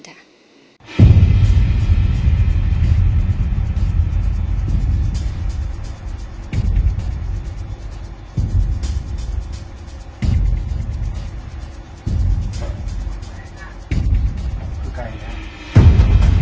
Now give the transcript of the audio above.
เพิ่มหน่อย